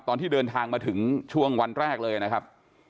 ตอนที่เดินทางมาถึงช่วงวันแรกเลยนะครับ